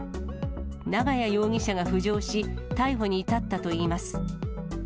永谷容疑者が浮上し、逮捕に至ったといいます。